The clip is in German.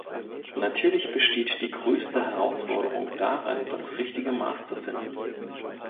Natürlich besteht die größte Herausforderung darin, das richtige Maß zu finden.